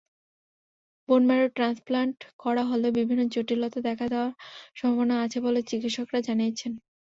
Bone marrow transplant করা হলেও বিভিন্ন জটিলতা দেখা দেওয়ার সম্ভাবনা আছে বলে চিকিৎসকেরা জানিয়েছেন।